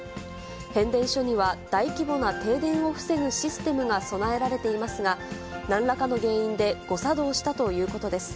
変電所には大規模な停電を防ぐシステムが備えられていますが、なんらかの原因で誤作動したということです。